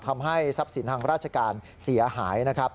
ทำให้ทรัพย์สินทางราชการเสียหายนะครับ